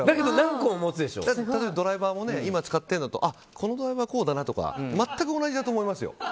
ドライバーも今使ってるのとこのドライバーこうだなとか全く同じだと思いますよ。